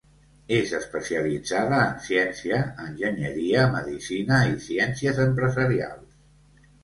És especialitzada en ciència, enginyeria, medicina i ciències empresarials.